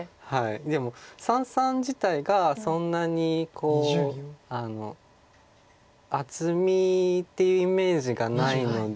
でも三々自体がそんなに厚みっていうイメージがないので。